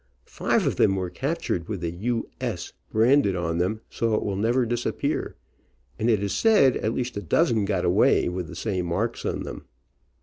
Five of them were captured with the "U. S." branded on them so it will never disappear, and it is said at least a dozen got away with the same marks on them.